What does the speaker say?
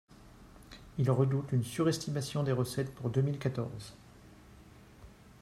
Il redoute une surestimation des recettes pour deux mille quatorze.